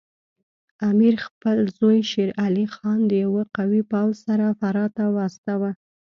امیر خپل زوی شیر علي خان د یوه قوي پوځ سره فراه ته واستاوه.